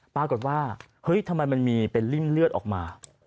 ปรากฏว่าเฮ้ยทำไมมันมีเป็นริ่มเลือดออกมา